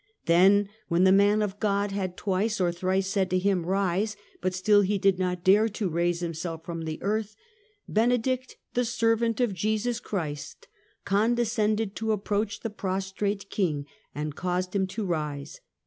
Then, when the man of God had twice or thrice said to him ' Rise,' but still he did not dare to raise himself from the earth, Benedict the servant of Jesus Christ condescended to approach the prostrate king and cause him to rise.